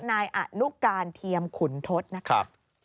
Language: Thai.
นายอนุการเทียมขุนทศนะคะ